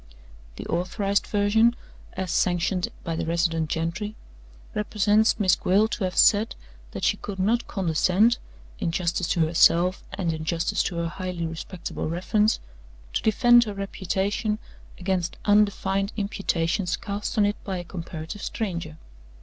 "The authorized version (as sanctioned by the resident gentry) represents Miss Gwilt to have said that she could not condescend in justice to herself, and in justice to her highly respectable reference to defend her reputation against undefined imputations cast on it by a comparative stranger.